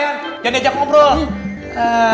jangan diajak ngobrol